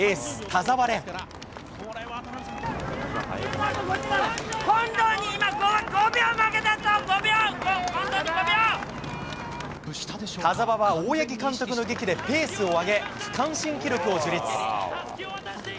田澤は大八木監督のげきでペースを上げ、区間新記録を樹立。